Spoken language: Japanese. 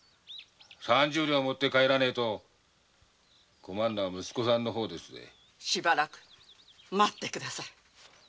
三十両持って帰らねぇと困るのは息子さんの方ですぜしばらく待って下さい。